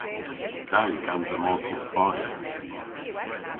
Da yw gansa mos dhe Spayn.